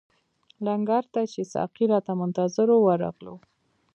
لنګر ته چې ساقي راته منتظر وو ورغلو.